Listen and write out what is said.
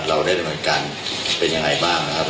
เราได้ดำเนินการเป็นยังไงบ้างนะครับ